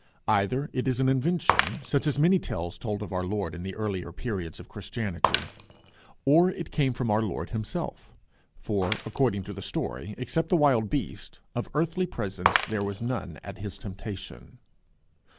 Either it is an invention, such as many tales told of our Lord in the earlier periods of Christianity; or it came from our Lord himself, for, according to the story, except the wild beasts, of earthly presence there was none at his Temptation.